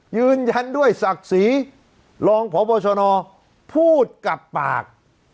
ยืนยันด้วยศักดิ์ศรีรองพบชนพูดกับปาก